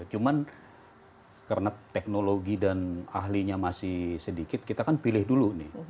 cuman karena teknologi dan ahlinya masih sedikit kita kan pilih dulu nih